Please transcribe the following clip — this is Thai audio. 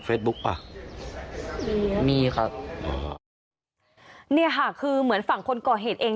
เฟซบุ๊คป่ะมีครับมีครับเนี่ยฮะคือเหมือนฝั่งคนก่อเหตุเอง